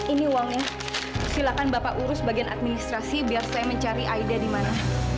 ini uangnya silakan bapak urus bagian administrasi biar saya mencari aida di mana